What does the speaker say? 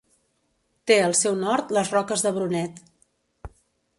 Té al seu nord les Roques de Brunet.